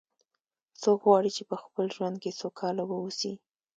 څوک غواړي چې په خپل ژوند کې سوکاله و اوسي